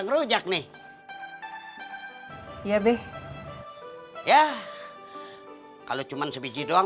ngerujak cuma sebiji gini mas